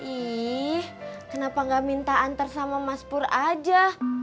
ih kenapa gak minta antar sama mas pur aja